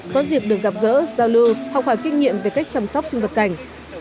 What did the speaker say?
có dịp được gặp gỡ giao lưu học hỏi kinh nghiệm về cách chăm sóc sinh vật cảnh